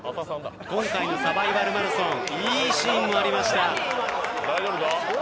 今回のサバイバルマラソンいいシーンもありました。